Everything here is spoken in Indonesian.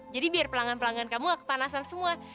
jadi biar pelanggan pelanggan kamu gak kepanasan semua